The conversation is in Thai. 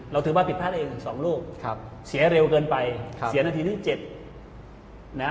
เราถือว่าผิดพลาดเองถึง๒ลูกเสียเร็วเกินไปเสียนาทีที่๗นะ